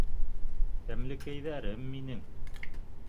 Тәмлекәйҙәрем минең